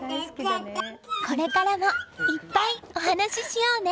これからもいっぱい、お話ししようね！